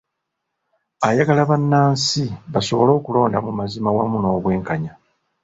Ayagala bannansi basobole okulonda mu mazima wamu n'obwenkanya.